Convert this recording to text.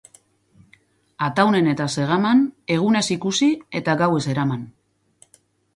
Ataunen eta Zegaman, egunez ikusi eta gauez eraman.